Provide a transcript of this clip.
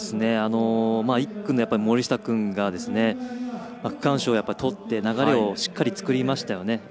１区の森下君が区間賞をとって、流れをしっかりつかみましたよね。